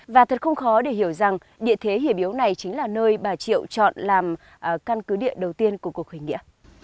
và thật không khó để hiểu rằng địa thế hiể yếu này chính là nơi bà triệu chọn làm căn cứ địa đầu tiên của cuộc khởi nghĩa